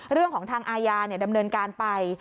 เรื่องของทางอาญาดำเนินการไป